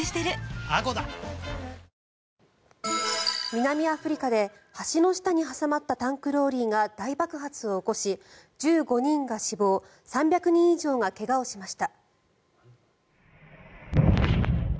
南アフリカで橋の下に挟まったタンクローリーが大爆発を起こし１５人が死亡３００人以上が怪我をしました。